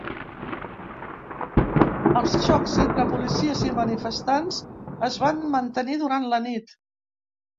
Els xocs entre policies i manifestants es van mantenir durant la nit.